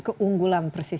keunggulan persisnya kita